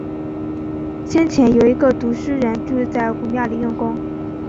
先前，有一个读书人住在古庙里用功